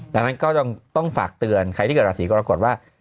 ดังนั้นก็ต้องฝากเตือนใครที่เกิดราศีกรกฎว่า